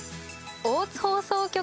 大津放送局